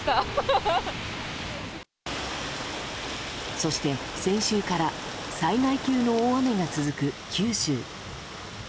そして、先週から災害級の大雨が続く九州。